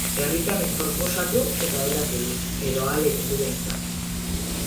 Herritarrek proposatu eta berak egin, edo ahalegindu, behintzat.